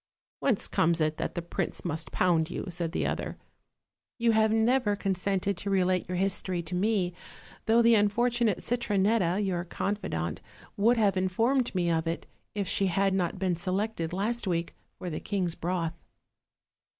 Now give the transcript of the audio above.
"Whence comes it that the prince must pound you?" said the other; "you have never consented to relate your history to me, though the unfortunate Citronetta, your confidante, would have informed me of it, if she had not been selected last week for the king's broth."